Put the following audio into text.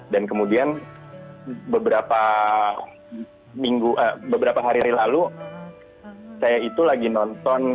dan kemudian beberapa hari lalu saya itu lagi nonton